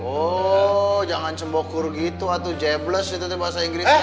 oh jangan cembokur gitu atuh jebles itu teh bahasa inggrisnya